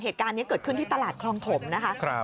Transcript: เหตุการณ์นี้เกิดขึ้นที่ตลาดคลองถมนะคะ